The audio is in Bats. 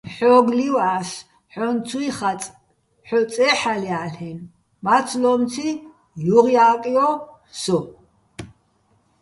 ჰ̦ო́გო̆ ლივა́ს, ჰ̦ო́ჼ ცუჲ ხაწე̆, ჰ̦ო წეჰ̦ალჲა́ლ'ენო̆, მაცლო́მციჼ ჲუღჲა́კჲო სო!